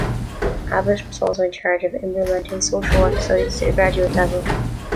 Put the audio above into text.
Abbott was also in charge of implementing social work studies to the graduate level.